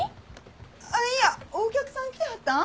あいやお客さん来てはったん？